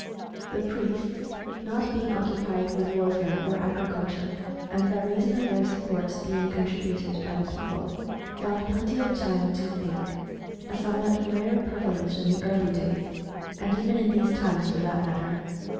The priests, not being occupied with warfare, or agriculture, and by reason of their support being contributed by the people, found plenty of time to "think," a somewhat rare privilege in the early days (and even in these times, for that matter).